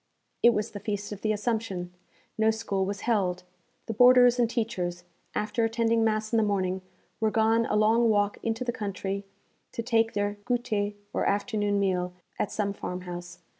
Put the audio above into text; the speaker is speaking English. It was the Feast of the Assumption; no school was held. The boarders and teachers, after attending mass in the morning, were gone a long walk into the country to take their goûter, or afternoon meal, at some farmhouse.